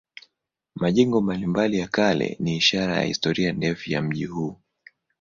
Majengo mbalimbali ya kale ni ishara ya historia ndefu ya mji huu.